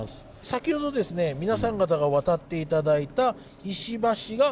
先ほど皆さん方が渡って頂いた石橋が。